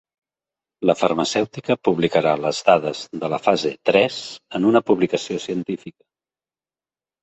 La farmacèutica publicarà les dades de la fase tres en una publicació científica.